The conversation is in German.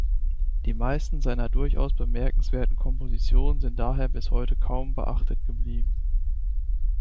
Die meisten seiner durchaus bemerkenswerten Kompositionen sind daher bis heute kaum beachtet geblieben.